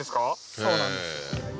そうなんです。